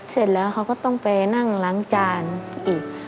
เสร็จแล้วเขาก็ต้องไปนั่งล้างจานอีก